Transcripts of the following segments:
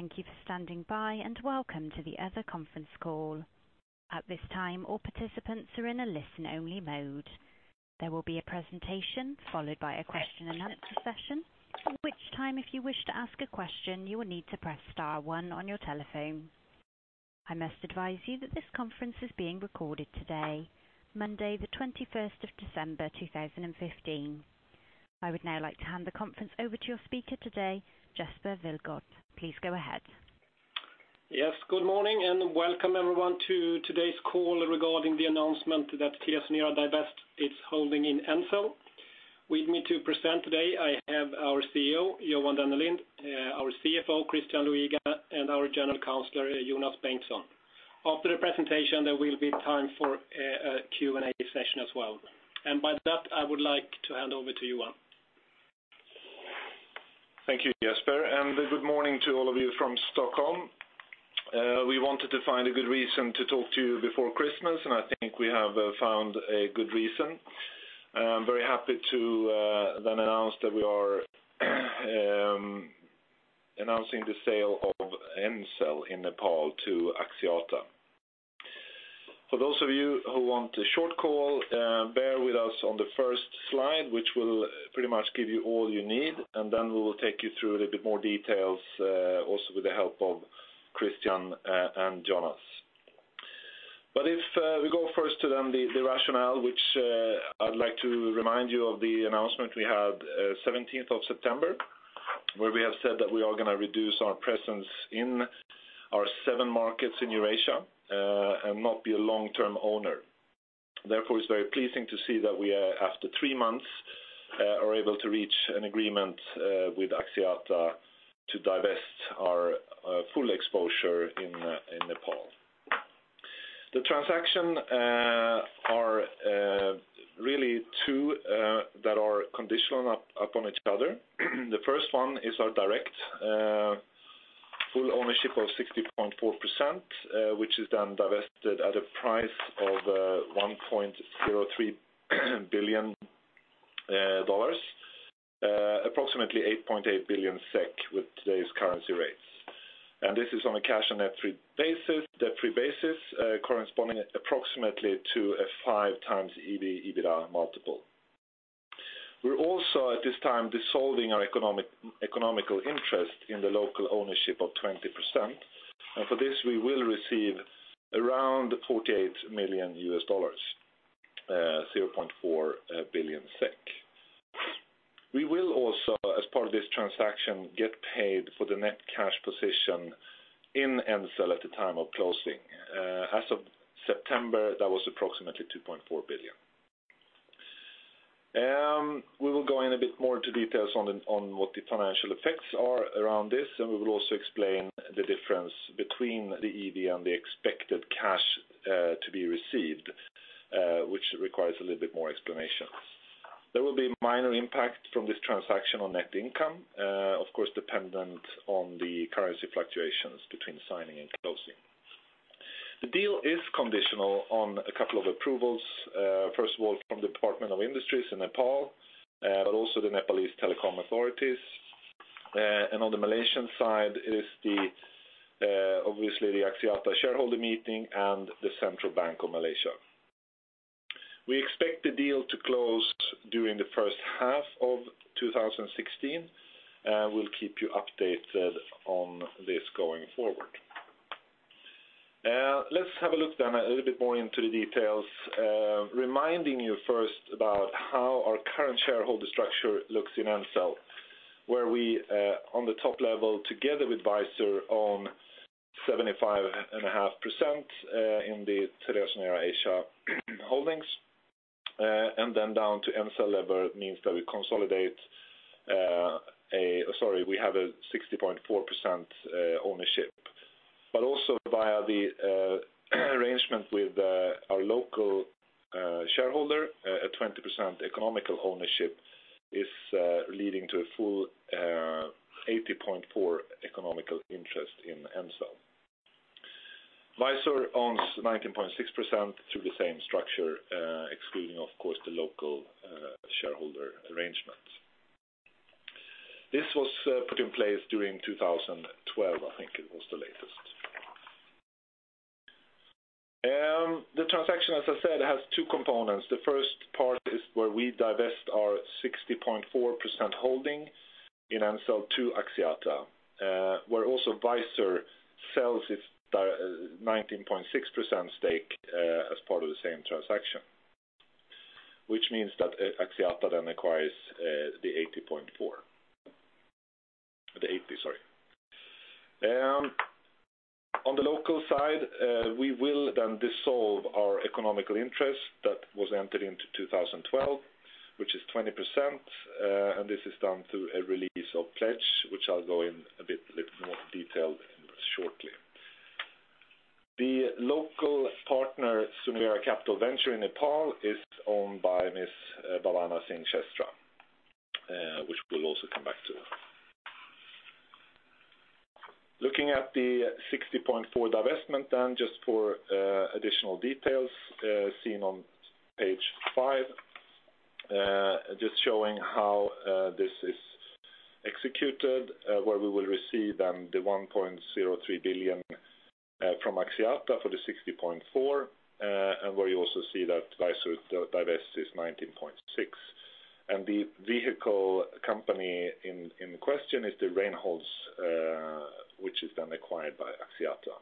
Thank you for standing by, and welcome to the Telia conference call. At this time, all participants are in a listen-only mode. There will be a presentation followed by a question and answer session, at which time if you wish to ask a question, you will need to press star one on your telephone. I must advise you that this conference is being recorded today, Monday, the 21st of December, 2015. I would now like to hand the conference over to your speaker today, Jesper Wilgodt. Please go ahead. Good morning and welcome everyone to today's call regarding the announcement that TeliaSonera Divest is holding in Ncell. With me to present today, I have our CEO, Johan Dennelind, our CFO, Christian Luiga, and our General Counsel, Jonas Bengtsson. After the presentation, there will be time for a Q&A session as well. By that, I would like to hand over to Johan. Thank you, Jesper, and good morning to all of you from Stockholm. We wanted to find a good reason to talk to you before Christmas, and I think we have found a good reason. I am very happy to then announce that we are announcing the sale of Ncell in Nepal to Axiata. For those of you who want a short call, bear with us on the first slide, which will pretty much give you all you need, and then we will take you through a little bit more details, also with the help of Christian and Jonas. If we go first to the rationale, which I would like to remind you of the announcement we had 17th of September, where we have said that we are going to reduce our presence in our seven markets in Eurasia, and not be a long-term owner. Therefore, it is very pleasing to see that we are, after three months, are able to reach an agreement with Axiata to divest our full exposure in Nepal. The transaction are really two that are conditional upon each other. The first one is our direct full ownership of 60.4%, which is then divested at a price of 1.03 billion dollars, approximately 8.8 billion SEK with today's currency rates. This is on a cash and net debt-free basis, corresponding approximately to a five times EBITDA multiple. We are also at this time dissolving our economical interest in the local ownership of 20%, and for this, we will receive around $48 million, 0.4 billion SEK. We will also, as part of this transaction, get paid for the net cash position in Ncell at the time of closing. As of September, that was approximately 2.4 billion. We will go in a bit more into details on what the financial effects are around this, and we will also explain the difference between the EV and the expected cash to be received, which requires a little bit more explanation. There will be minor impact from this transaction on net income, of course, dependent on the currency fluctuations between signing and closing. The deal is conditional on a couple of approvals. First of all, from the Department of Industry in Nepal, but also the Nepalese telecom authorities, and on the Malaysian side is obviously the Axiata shareholder meeting and the Central Bank of Malaysia. We expect the deal to close during the first half of 2016. We'll keep you updated on this going forward. Let's have a look then a little bit more into the details, reminding you first about how our current shareholder structure looks in Ncell, where we, on the top level, together with Visor, own 75.5% in the TeliaSonera Asia holdings, and then down to Ncell level means that we have a 60.4% ownership. Also via the arrangement with our local shareholder, a 20% economical ownership is leading to a full 80.4% economical interest in Ncell. Visor owns 19.6% through the same structure, excluding, of course, the local shareholder arrangement. This was put in place during 2012, I think it was the latest. The transaction, as I said, has two components. The first part is where we divest our 60.4% holding in Ncell to Axiata, where also Visor sells its 19.6% stake as part of the same transaction, which means that Axiata then acquires the 80%. On the local side, we will then dissolve our economical interest that was entered into 2012, which is 20%, and this is done through a release of pledge, which I will go in a bit more detail shortly. The local partner, Sunivera Capital Ventures in Nepal, is owned by Miss Bhavana Singh Shrestha, which we will also come back to. Looking at the 60.4% divestment then, just for additional details, seen on page five. Just showing how this is executed where we will receive then the 1.03 billion from Axiata for the 60.4%, and where you also see that Visor divests its 19.6%. The vehicle company in question is the Reynolds Holding, which is then acquired by Axiata.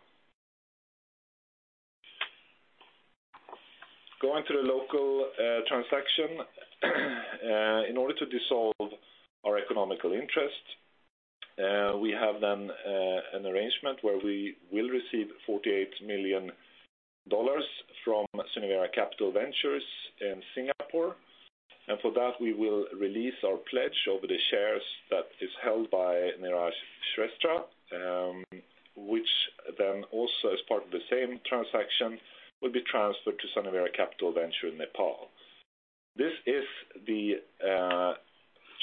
Going to the local transaction. In order to dissolve our economical interest, we have then an arrangement where we will receive $48 million from Sunivera Capital Ventures in Singapore. For that, we will release our pledge over the shares that is held by Niraj Shrestha which then also as part of the same transaction will be transferred to Sunivera Capital Ventures in Nepal. This is the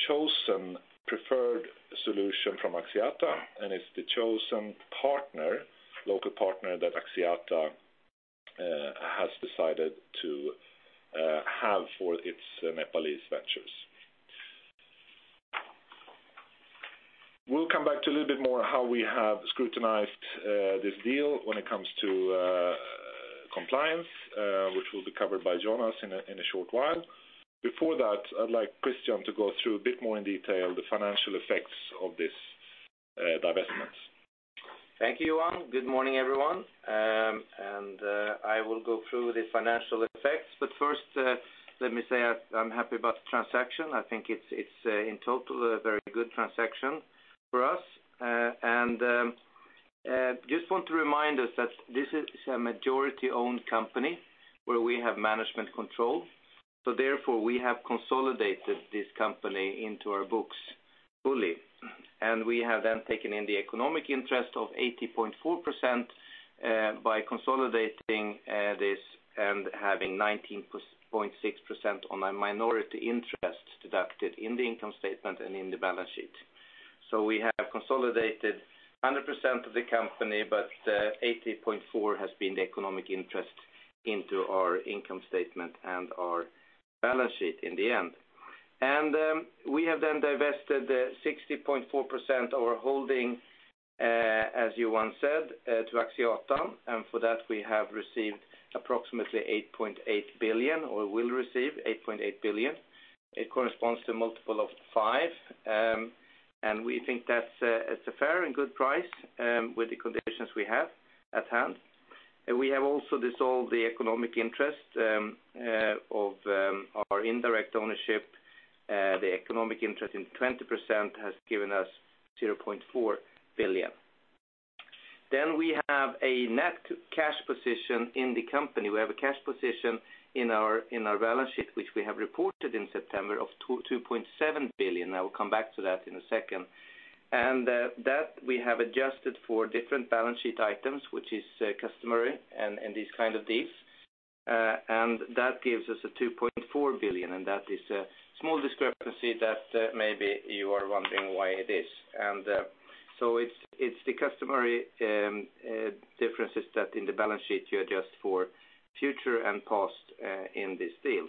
chosen preferred solution from Axiata, and it's the chosen local partner that Axiata has decided to have for its Nepalese ventures. We will come back to a little bit more how we have scrutinized this deal when it comes to compliance, which will be covered by Jonas in a short while. Before that, I would like Christian to go through a bit more in detail the financial effects of this divestment. Thank you, Johan. Good morning, everyone. I will go through the financial effects, but first let me say I'm happy about the transaction. I think it's in total a very good transaction for us. Just want to remind us that this is a majority-owned company where we have management control, so therefore we have consolidated this company into our books fully. We have then taken in the economic interest of 80.4% by consolidating this and having 19.6% on a minority interest deducted in the income statement and in the balance sheet. So we have consolidated 100% of the company, but 80.4 has been the economic interest into our income statement and our balance sheet in the end. We have then divested 60.4% of our holding, as Johan said, to Axiata, and for that, we have received approximately 8.8 billion, or will receive 8.8 billion. It corresponds to a multiple of five, we think that's a fair and good price with the conditions we have at hand. We have also dissolved the economic interest of our indirect ownership. The economic interest in 20% has given us 0.4 billion. We have a net cash position in the company. We have a cash position in our balance sheet, which we have reported in September of 2.7 billion. I will come back to that in a second. That we have adjusted for different balance sheet items, which is customary in these kinds of deals. That gives us 2.4 billion, that is a small discrepancy that maybe you are wondering why it is. It's the customary differences that in the balance sheet you adjust for future and past in this deal.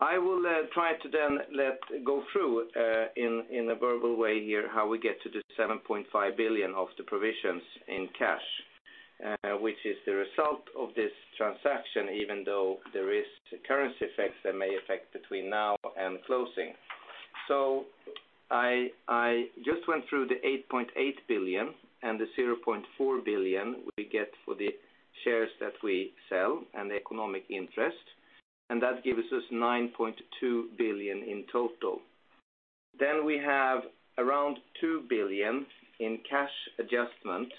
I will try to then go through in a verbal way here how we get to the 7.5 billion of the provisions in cash which is the result of this transaction, even though there is currency effects that may affect between now and closing. I just went through the 8.8 billion and the 0.4 billion we get for the shares that we sell and the economic interest, that gives us 9.2 billion in total. We have around 2 billion in cash adjustment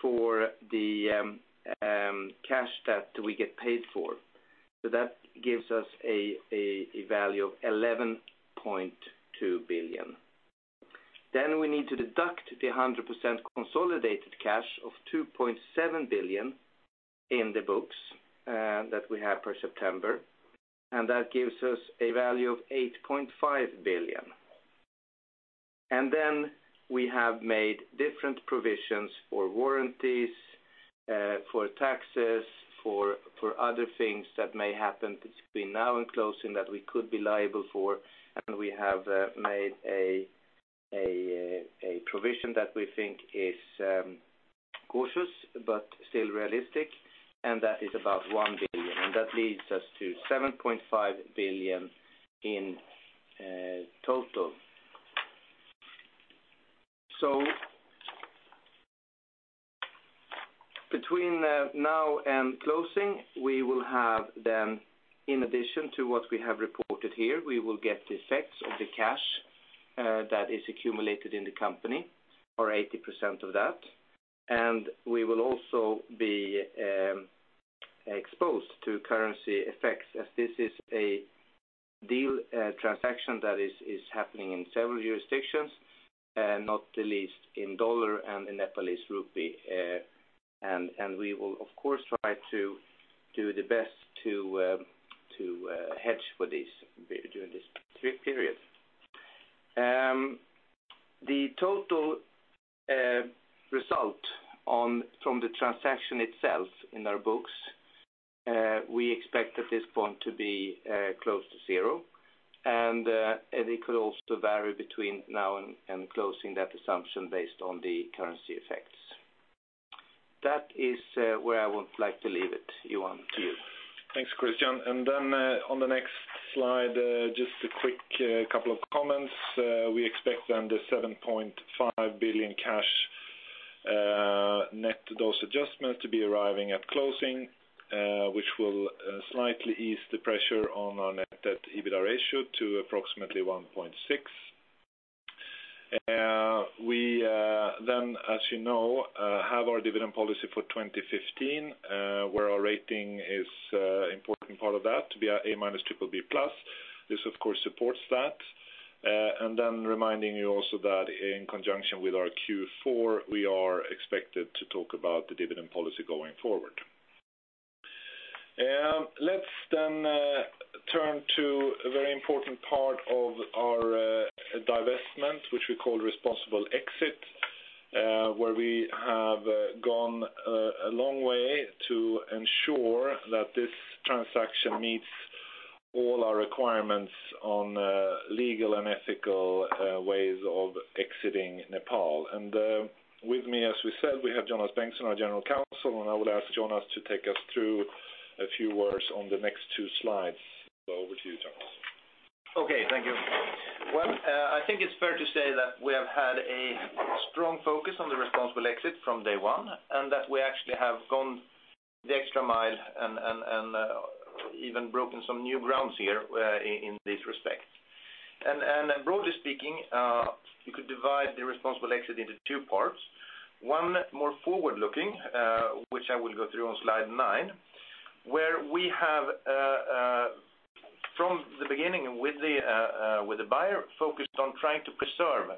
for the cash that we get paid for. That gives us a value of 11.2 billion. We need to deduct the 100% consolidated cash of 2.7 billion in the books that we have per September, that gives us a value of 8.5 billion. We have made different provisions for warranties, for taxes, for other things that may happen between now and closing that we could be liable for, we have made a provision that we think is cautious but still realistic, that is about 1 billion, that leads us to 7.5 billion in total. Between now and closing, we will have then, in addition to what we have reported here, we will get the effects of the cash that is accumulated in the company or 80% of that. We will also be exposed to currency effects as this is a deal transaction that is happening in several jurisdictions, not the least in U.S. dollar and in Nepalese rupee. We will of course try to do the best to hedge for this during this period. The total result from the transaction itself in our books, we expect at this point to be close to 0, and it could also vary between now and closing that assumption based on the currency effects. That is where I would like to leave it. Johan, to you. Thanks, Christian. On the next slide, just a quick couple of comments. We expect the 7.5 billion cash net debt adjustment to be arriving at closing, which will slightly ease the pressure on our Net Debt/EBITDA ratio to approximately 1.6. We, as you know, have our dividend policy for 2015, where our rating is important part of that to be our A-/BBB+. This, of course, supports that. Reminding you also that in conjunction with our Q4, we are expected to talk about the dividend policy going forward. Let's turn to a very important part of our divestment, which we call responsible exit, where we have gone a long way to ensure that this transaction meets all our requirements on legal and ethical ways of exiting Nepal. With me, as we said, we have Jonas Bengtsson, our General Counsel, and I would ask Jonas to take us through a few words on the next two slides. Over to you, Jonas. Okay. Thank you. Well, I think it's fair to say that we have had a strong focus on the responsible exit from day one, and that we actually have gone the extra mile and even broken some new grounds here in this respect. Broadly speaking, you could divide the responsible exit into two parts. One more forward-looking, which I will go through on slide nine, where we have from the beginning with the buyer focused on trying to preserve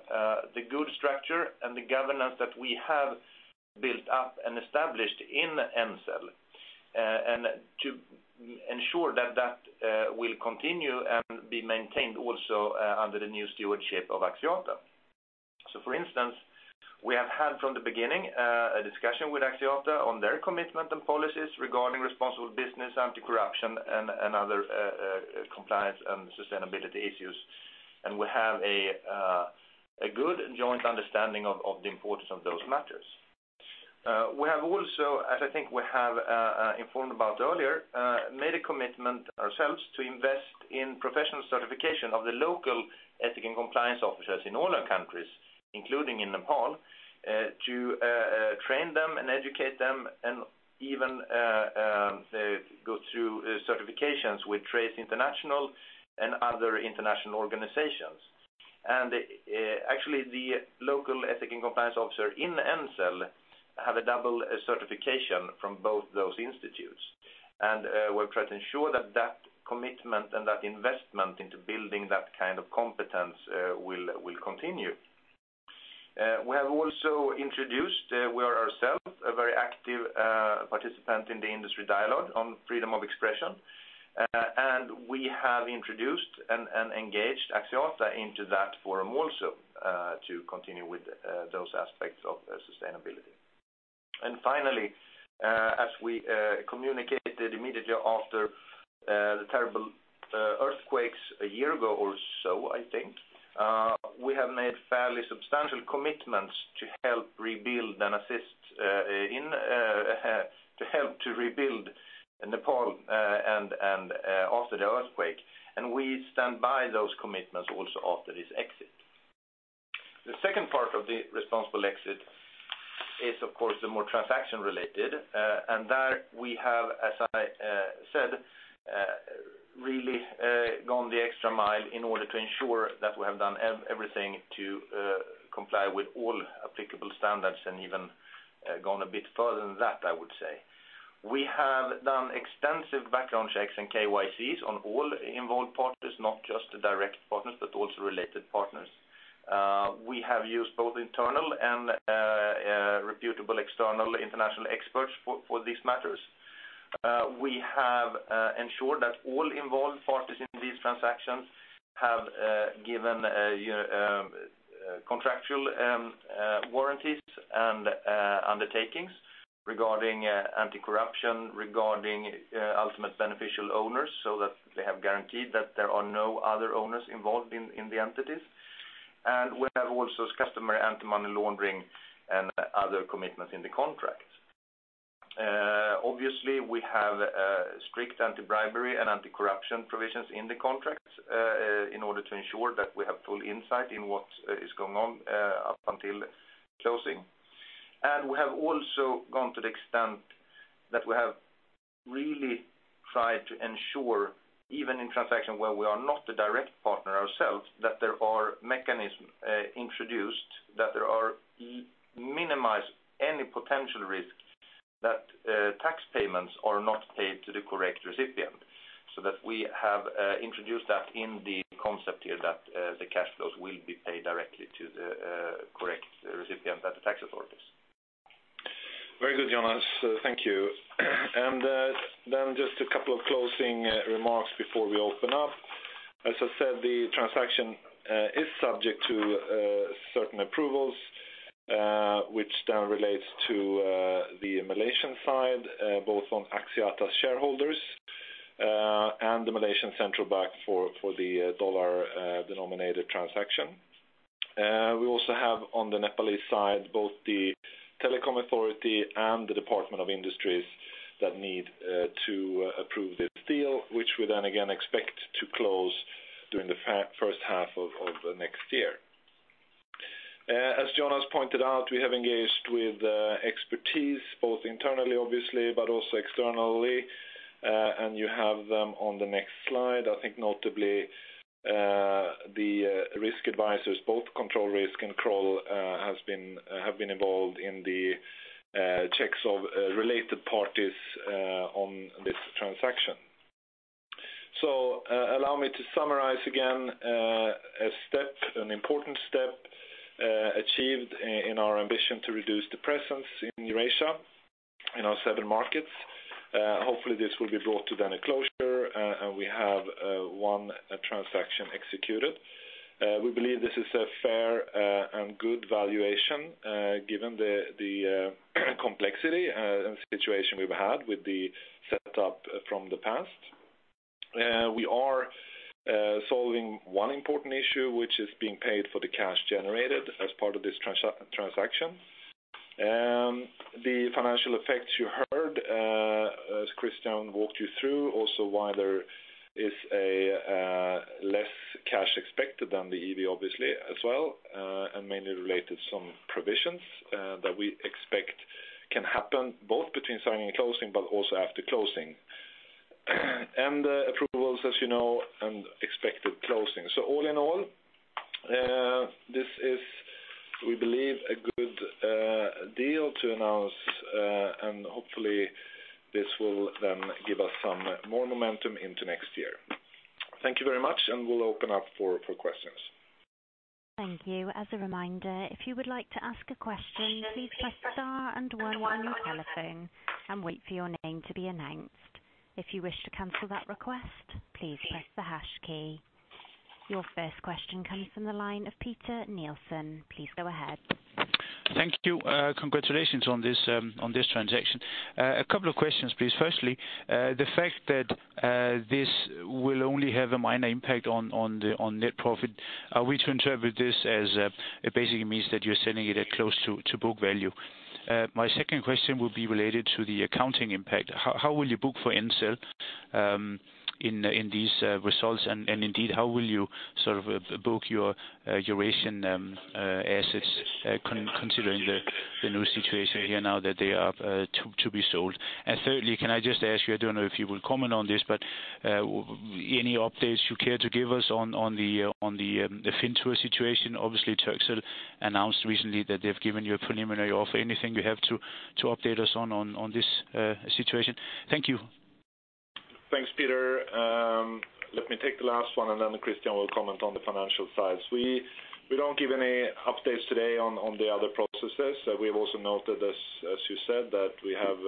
the good structure and the governance that we have built up and established in Ncell, and to ensure that will continue and be maintained also under the new stewardship of Axiata. For instance, we have had from the beginning a discussion with Axiata on their commitment and policies regarding responsible business, anti-corruption, and other compliance and sustainability issues. We have a good joint understanding of the importance of those matters. We have also, as I think we have informed about earlier, made a commitment ourselves to invest in professional certification of the local ethic and compliance officers in all our countries, including in Nepal, to train them and educate them and even go through certifications with TRACE International and other international organizations. Actually, the local ethic and compliance officer in Ncell have a double certification from both those institutes. We'll try to ensure that commitment and that investment into building that kind of competence will continue. We have also introduced, we are ourself, a very active participant in the industry dialogue on freedom of expression. We have introduced and engaged Axiata into that forum also to continue with those aspects of sustainability. Finally, as we communicated immediately after the terrible earthquakes a year ago or so, I think, we have made fairly substantial commitments to help rebuild Nepal after the earthquake. We stand by those commitments also after this exit. The second part of the responsible exit is, of course, the more transaction-related, there we have, as I said, really gone the extra mile in order to ensure that we have done everything to comply with all applicable standards and even gone a bit further than that, I would say. We have done extensive background checks and KYCs on all involved partners, not just the direct partners, but also related partners. We have used both internal and reputable external international experts for these matters. We have ensured that all involved parties in these transactions have given contractual warranties and undertakings regarding anti-corruption, regarding ultimate beneficial owners so that they have guaranteed that there are no other owners involved in the entities. We have also customary anti-money laundering and other commitments in the contracts. Obviously, we have strict anti-bribery and anti-corruption provisions in the contracts in order to ensure that we have full insight in what is going on up until closing. We have also gone to the extent that we have really tried to ensure, even in transaction where we are not a direct partner ourselves, that there are mechanisms introduced, that there are minimized any potential risks that tax payments are not paid to the correct recipient, so that we have introduced that in the concept here that the cash flows will be paid directly to the correct recipient at the tax authorities. Very good, Jonas. Thank you. Just a couple of closing remarks before we open up. As I said, the transaction is subject to certain approvals, which relates to the Malaysian side, both on Axiata shareholders and the Malaysian Central Bank for the dollar-denominated transaction. We also have on the Nepalese side, both the Telecom Authority and the Department of Industry that need to approve this deal, which we expect to close during the first half of next year. As Jonas pointed out, we have engaged with expertise both internally, obviously, but also externally. You have them on the next slide. I think notably, the risk advisors, both Control Risks and Kroll have been involved in the checks of related parties on this transaction. Allow me to summarize again, an important step achieved in our ambition to reduce the presence in Eurasia, in our seven markets. Hopefully, this will be brought to a closure, and we have one transaction executed. We believe this is a fair and good valuation given the complexity and situation we've had with the setup from the past. We are solving one important issue, which is being paid for the cash generated as part of this transaction. The financial effects you heard, as Christian walked you through, also why there is less cash expected than the EBITDA, obviously, as well, and mainly related some provisions that we expect can happen both between signing and closing, but also after closing. Approvals, as you know, and expected closing. All in all, this is, we believe, a good deal to announce, and hopefully, this will give us some more momentum into next year. Thank you very much, and we'll open up for questions. Thank you. As a reminder, if you would like to ask a question, please press star and one on your telephone and wait for your name to be announced. If you wish to cancel that request, please press the hash key. Your first question comes from the line of Peter Nielsen. Please go ahead. Thank you. Congratulations on this transaction. A couple of questions, please. Firstly, the fact that this will only have a minor impact on net profit. Are we to interpret this as it basically means that you're selling it at close to book value? My second question will be related to the accounting impact. How will you book for Ncell in these results? Indeed, how will you sort of book your Eurasian assets considering the new situation here now that they are to be sold? Thirdly, can I just ask you, I don't know if you will comment on this, but any updates you care to give us on the Fintur situation? Obviously, Turkcell announced recently that they've given you a preliminary offer. Anything you have to update us on this situation? Thank you. Thanks, Peter. Let me take the last one, then Christian will comment on the financial sides. We don't give any updates today on the other processes. We have also noted, as you said, that we have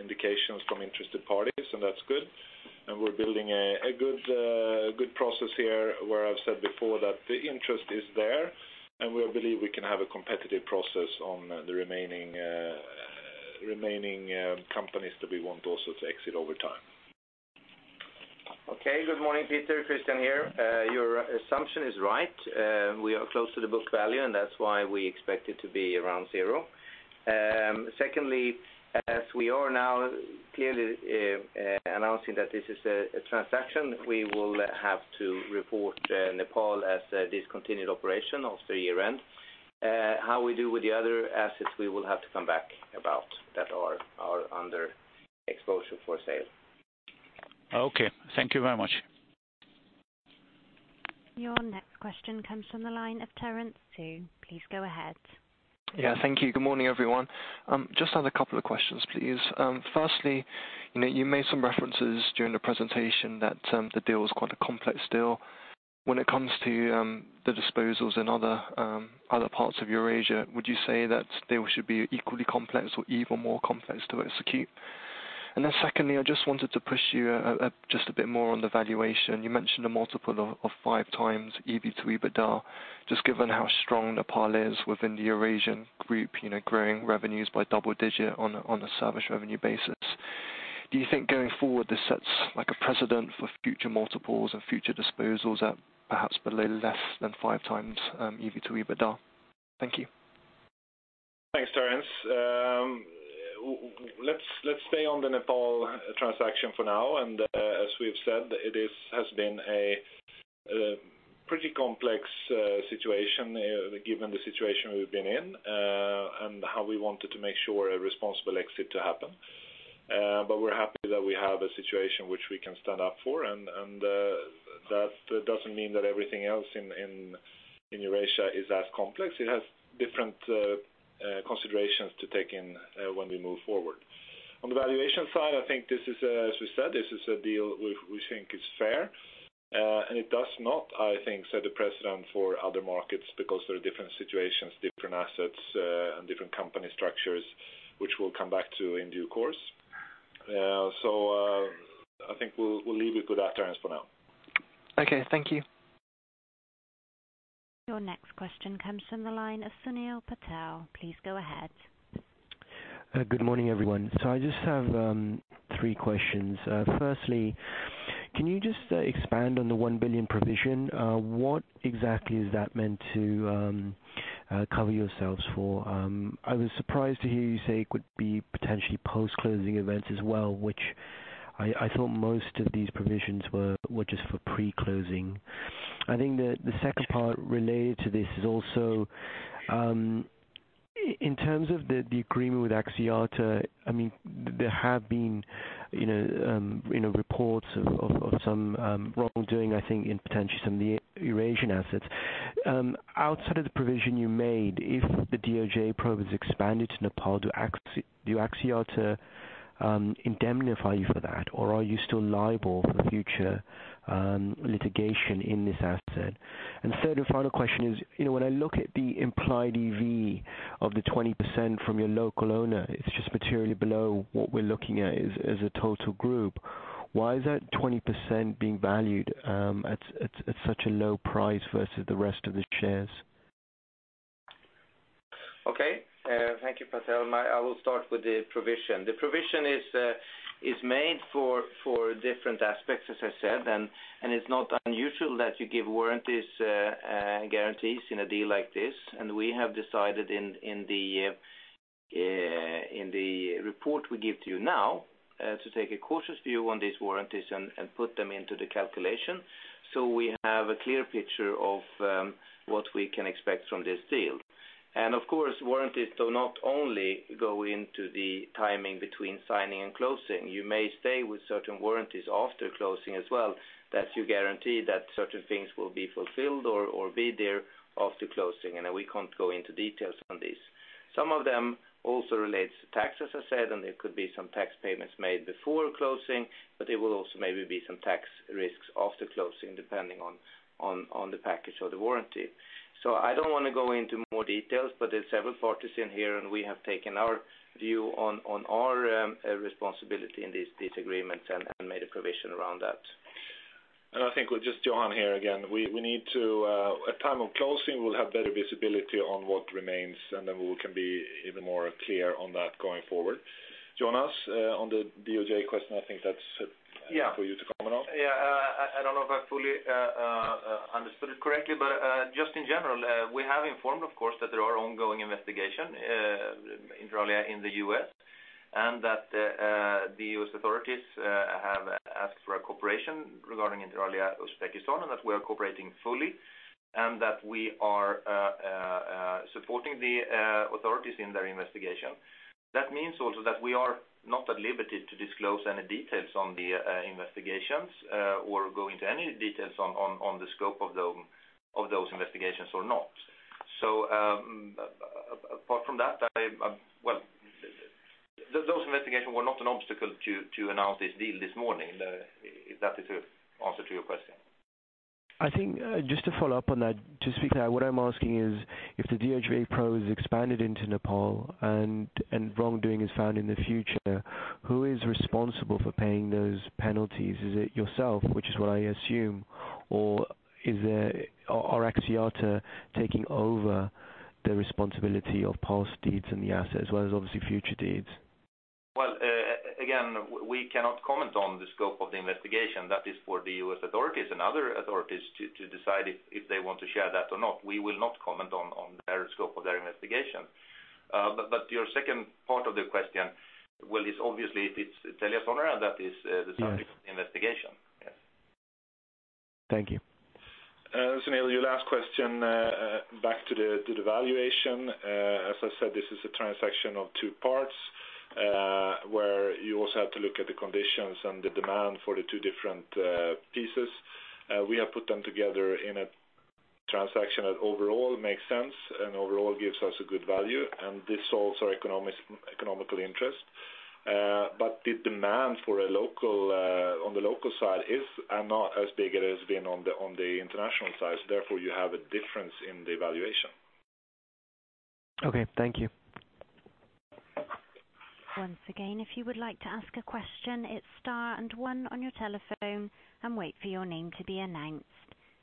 indications from interested parties, that's good. We're building a good process here where I've said before that the interest is there, we believe we can have a competitive process on the remaining companies that we want also to exit over time. Okay. Good morning, Peter. Christian here. Your assumption is right. We are close to the book value, that's why we expect it to be around zero. Secondly, as we are now clearly announcing that this is a transaction, we will have to report Nepal as a discontinued operation after year-end. How we do with the other assets, we will have to come back about that are under exposure for sale. Okay. Thank you very much. Your next question comes from the line of Terence Teo. Please go ahead. Yeah. Thank you. Good morning, everyone. Just had a couple of questions, please. Firstly, you made some references during the presentation that the deal was quite a complex deal. When it comes to the disposals in other parts of Eurasia, would you say that they should be equally complex or even more complex to execute? Secondly, I just wanted to push you just a bit more on the valuation. You mentioned a multiple of five times EV to EBITDA. Just given how strong Nepal is within the Eurasian group, growing revenues by double-digit on a service revenue basis. Do you think going forward, this sets a precedent for future multiples and future disposals at perhaps below less than five times EV to EBITDA? Thank you. Thanks, Terence. Let's stay on the Nepal transaction for now. As we've said, it has been a pretty complex situation given the situation we've been in, and how we wanted to make sure a responsible exit to happen. We're happy that we have a situation which we can stand up for, That doesn't mean that everything else in Eurasia is as complex. It has different considerations to take in when we move forward. On the valuation side, I think this is, as we said, this is a deal we think is fair, and it does not, I think, set a precedent for other markets because there are different situations, different assets, and different company structures, which we'll come back to in due course. I think we'll leave it with that, Terence, for now. Okay. Thank you. Your next question comes from the line of Sunil Patel. Please go ahead. Good morning, everyone. I just have three questions. Firstly, can you just expand on the 1 billion provision? What exactly is that meant to cover yourselves for? I was surprised to hear you say it could be potentially post-closing events as well, which I thought most of these provisions were just for pre-closing. The second part related to this is also, in terms of the agreement with Axiata, there have been reports of some wrongdoing, I think, in potentially some of the Eurasian assets. Outside of the provision you made, if the DOJ probe is expanded to Nepal, do Axiata indemnify you for that, or are you still liable for the future litigation in this asset? Third and final question is, when I look at the implied EV of the 20% from your local owner, it is just materially below what we are looking at as a total group. Why is that 20% being valued at such a low price versus the rest of the shares? Okay. Thank you, Patel. I will start with the provision. The provision is made for different aspects, as I said, and it is not unusual that you give warranties and guarantees in a deal like this. We have decided in the report we give to you now to take a cautious view on these warranties and put them into the calculation so we have a clear picture of what we can expect from this deal. Of course, warranties do not only go into the timing between signing and closing. You may stay with certain warranties after closing as well, that you guarantee that certain things will be fulfilled or be there after closing, and we cannot go into details on this. Some of them also relates to tax, as I said, and there could be some tax payments made before closing, but there will also maybe be some tax risks after closing, depending on the package or the warranty. I don't want to go into more details, but there are several parties in here, and we have taken our view on our responsibility in this agreement and made a provision around that. I think, Johan here again, at time of closing, we'll have better visibility on what remains, and then we can be even more clear on that going forward. Jonas, on the DOJ question, I think that's. Yeah That's for you to comment on. Yeah. I don't know if I fully understood it correctly, but just in general, we have informed, of course, that there are ongoing investigation, inter alia, in the U.S., and that the U.S. authorities have asked for our cooperation regarding inter alia, Uzbekistan, and that we are cooperating fully, and that we are supporting the authorities in their investigation. That means also that we are not at liberty to disclose any details on the investigations or go into any details on the scope of those investigations or not. Apart from that, those investigations were not an obstacle to announce this deal this morning, if that is an answer to your question. I think just to follow up on that, specifically what I'm asking is, if the DOJ probe is expanded into Nepal and wrongdoing is found in the future, who is responsible for paying those penalties? Is it yourself, which is what I assume, or are Axiata taking over the responsibility of past deeds in the asset as well as obviously future deeds? Well, again, we cannot comment on the scope of the investigation. That is for the U.S. authorities and other authorities to decide if they want to share that or not. We will not comment on their scope of their investigation. Your second part of the question, well, it's obviously, if it's TeliaSonera, that is the subject of the investigation. Yes. Thank you. Sunil, your last question, back to the valuation. As I said, this is a transaction of two parts, where you also have to look at the conditions and the demand for the two different pieces. We have put them together in a transaction that overall makes sense and overall gives us a good value, and this solves our economical interest. The demand on the local side is not as big as it has been on the international side. Therefore, you have a difference in the valuation. Okay. Thank you. Once again, if you would like to ask a question, it is star and one on your telephone and wait for your name to be announced.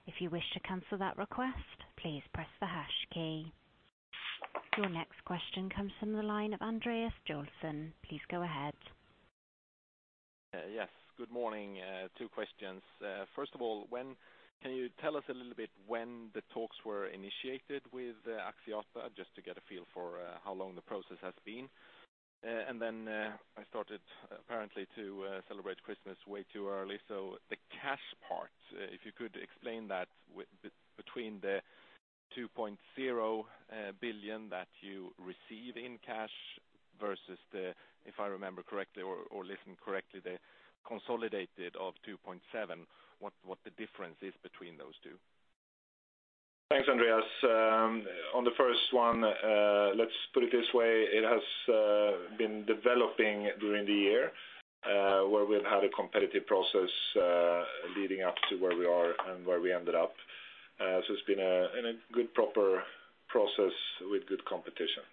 If you wish to cancel that request, please press the hash key. Your next question comes from the line of Andreas Joelsson. Please go ahead. Yes. Good morning. Two questions. First of all, can you tell us a little bit when the talks were initiated with Axiata, just to get a feel for how long the process has been? Then I started apparently to celebrate Christmas way too early, the cash part, if you could explain that between the 2.0 billion that you receive in cash versus the, if I remember correctly or listened correctly, the consolidated of 2.7 billion, what the difference is between those two. Thanks, Andreas. On the first one, let us put it this way. It has been developing during the year, where we have had a competitive process leading up to where we are and where we ended up. It has been a good, proper process with good competition.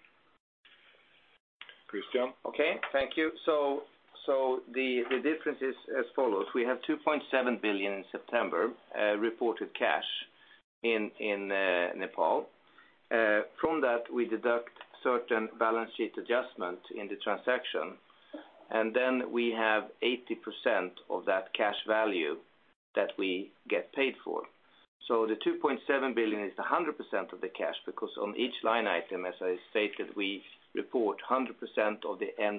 Christian? Okay. Thank you. The difference is as follows. We have 2.7 billion in September, reported cash in Nepal. From that, we deduct certain balance sheet adjustment in the transaction, and then we have 80% of that cash value that we get paid for. The 2.7 billion is the 100% of the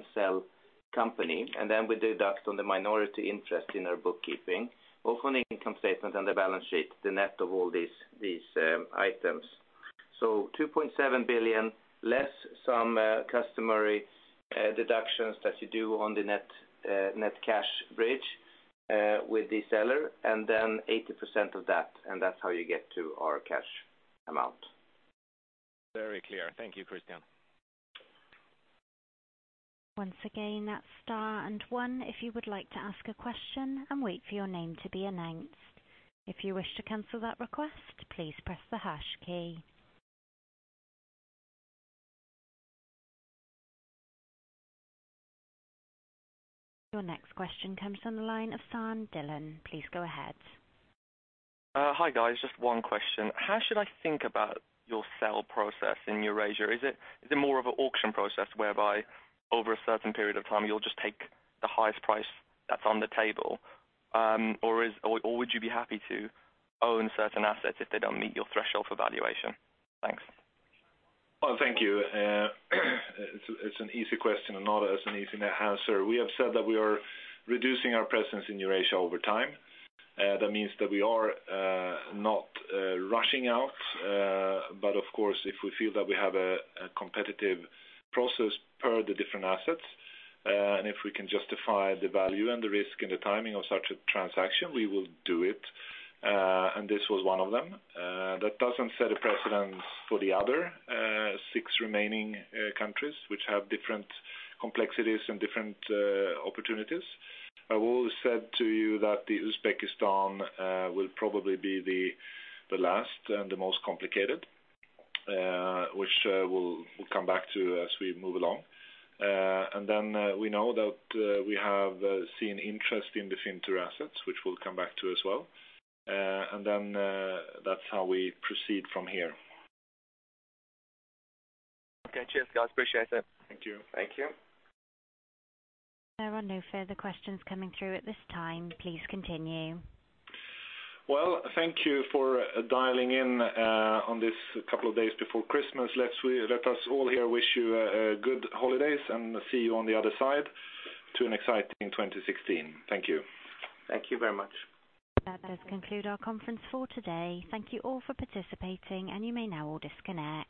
Ncell company, and then we deduct on the minority interest in our bookkeeping, both on the income statement and the balance sheet, the net of all these items. 2.7 billion, less some customary deductions that you do on the net cash bridge with the seller, and then 80% of that, and that's how you get to our cash amount. Very clear. Thank you, Christian. Once again, that's star and one if you would like to ask a question and wait for your name to be announced. If you wish to cancel that request, please press the hash key. Your next question comes from the line of Saim Tillon. Please go ahead. Hi, guys. Just one question. How should I think about your sell process in Eurasia? Is it more of an auction process whereby over a certain period of time you'll just take the highest price that's on the table, or would you be happy to own certain assets if they don't meet your threshold for valuation? Thanks. Well, thank you. It's an easy question and not as an easy answer. We have said that we are reducing our presence in Eurasia over time. That means that we are not rushing out. Of course, if we feel that we have a competitive process per the different assets, and if we can justify the value and the risk and the timing of such a transaction, we will do it. This was one of them. That doesn't set a precedent for the other six remaining countries which have different complexities and different opportunities. I've always said to you that Uzbekistan will probably be the last and the most complicated, which we'll come back to as we move along. We know that we have seen interest in the Fintur assets, which we'll come back to as well. That's how we proceed from here. Okay. Cheers, guys. Appreciate it. Thank you. Thank you. There are no further questions coming through at this time. Please continue. Well, thank you for dialing in on this couple of days before Christmas. Let us all here wish you good holidays and see you on the other side to an exciting 2016. Thank you. Thank you very much. That does conclude our conference for today. Thank you all for participating, and you may now all disconnect.